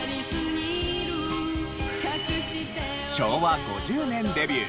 昭和５０年デビュー